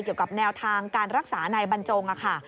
เกี่ยวกับแนวทางการรักษาในบรรจงค่ะ